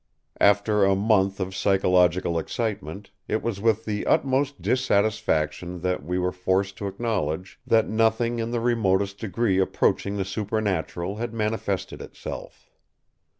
After a month of psychological excitement, it was with the utmost dissatisfaction that we were forced to acknowledge that nothing in the remotest degree approaching the supernatural had manifested itself.